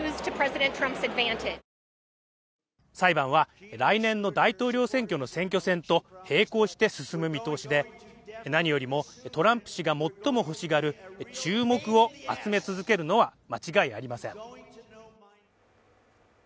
裁判は来年の大統領選挙の選挙戦と並行して進む見通しで何よりもトランプ氏が最も欲しがる注目を集め続けるのは間違いありません。